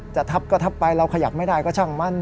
ทับก็ทับไปเราขยับไม่ได้ก็ช่างมัน